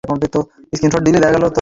আপনারা সবাই এখানে অপেক্ষা করুন।